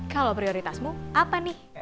kalau prioritasmu apa nih